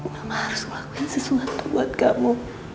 mama harus melakukan sesuatu buat kamu